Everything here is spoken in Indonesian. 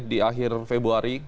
di akhir februari